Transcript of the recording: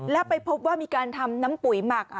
แล้วไปพบว่ามีการทำน้ำปุ๋ยหมัก